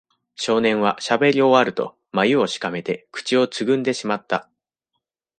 少年はしゃべり終わると、まゆをしかめて口をつぐんでしまった。